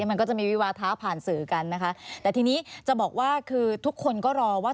มันก็จะมีวิวาท้าผ่านสื่อกันนะคะแต่ทีนี้จะบอกว่าคือทุกคนก็รอว่า